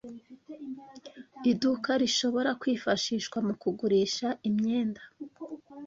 iduka rishobora kwifashishwa mu kugurisha imyenda